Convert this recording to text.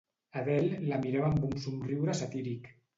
Adele la mirava amb un somriure satíric.